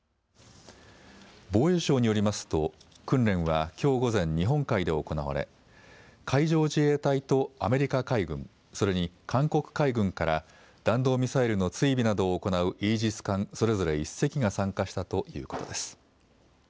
防衛省によりますと訓練はきょう午前、日本海で行われ海上自衛隊とアメリカ海軍、それに韓国海軍から弾道ミサイルの追尾などを行うイージス艦それぞれ１隻が参加したということです。